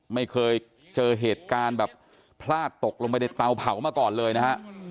ไม่เคยเจอเหตุการณ์แบบพลาดตกลงไปในเตาเผามาก่อนเลยนะฮะ